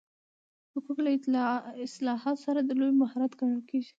حقوق له اصطلاحاتو سره د لوبې مهارت ګڼل کېږي.